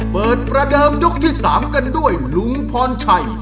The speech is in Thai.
เปิดประเดิมยกที่๓กันด้วยลุงพรชัย